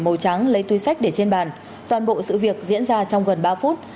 màu trắng lấy túi sách để trên bàn toàn bộ sự việc diễn ra trong gần ba phút